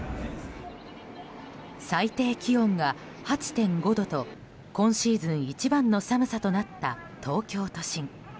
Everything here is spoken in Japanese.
最低気温が８．５度と今シーズン一番の寒さとなった東京都心。